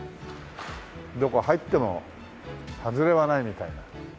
どこ入ってもはずれはないみたいな。